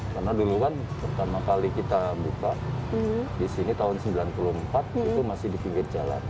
karena dulu kan pertama kali kita buka di sini tahun seribu sembilan ratus sembilan puluh empat itu masih di pinggir jalan